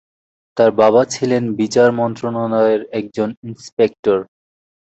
তার বাবা ছিলেন বিচার মন্ত্রণালয়ের একজন ইন্সপেক্টর।